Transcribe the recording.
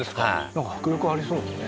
なんか迫力ありそうですね